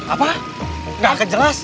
apa nggak kejelas